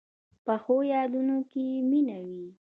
پخو یادونو کې مینه وي